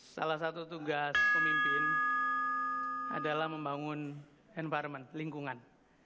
salah satu tugas pemimpin adalah membangun environment lingkungan